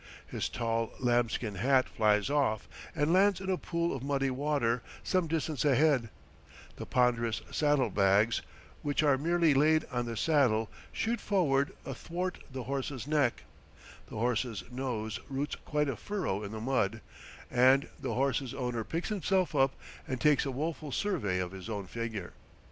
His tall lambskin hat flies off and lands in a pool of muddy water some distance ahead; the ponderous saddle bags, which are merely laid on the saddle, shoot forward athwart the horse's neck, the horse's nose roots quite a furrow in the road, and the horse's owner picks himself up and takes a woeful survey of his own figure.